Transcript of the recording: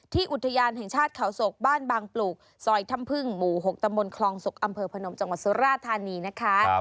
อุทยานแห่งชาติเขาศกบ้านบางปลูกซอยถ้ำพึ่งหมู่๖ตำบลคลองศกอำเภอพนมจังหวัดสุราธานีนะคะ